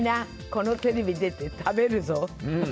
このテレビに出て、食べるぞ。